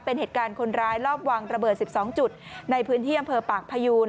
เป็นเหตุการณ์คนร้ายรอบวางระเบิด๑๒จุดในพื้นที่อำเภอปากพยูน